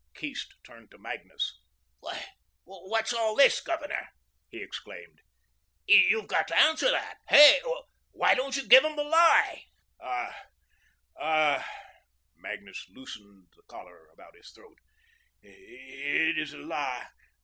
Keast turned to Magnus. "Why, what's all this, Governor?" he exclaimed. "You've got to answer that. Hey? why don't you give 'em the lie?" "I I," Magnus loosened the collar about his throat "it is a lie.